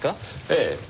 ええ。